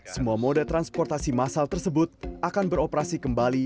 semua moda transportasi masal tersebut akan beroperasi kembali